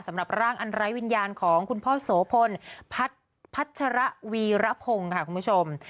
สำหรับร่างอันไร้วิญญาณของคุณพ่อโสพลพัชระวีรพงศ์ค่ะคุณผู้ชม